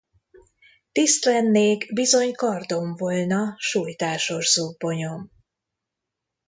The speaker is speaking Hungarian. Tiszt lennék, bizony, kardom volna, sujtásos zubbonyom...